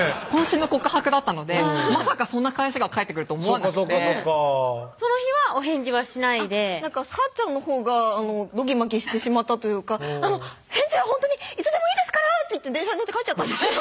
渾身の告白だったのでまさかそんな返しが返ってくると思わなくてその日はお返事はしないではーちゃんのほうがどぎまぎしてしまったというか「あの返事はほんとにいつでもいいですから」って言って電車に乗って帰っちゃったんですよ